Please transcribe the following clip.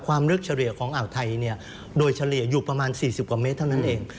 ลึกเฉลี่ยของอ่าวไทยเนี่ยโดยเฉลี่ยอยู่ประมาณ๔๐กว่าเมตรเท่านั้นเอง